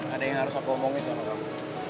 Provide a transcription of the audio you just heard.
ada yang harus aku omongin sama kamu